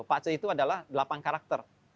pace itu adalah delapan karakter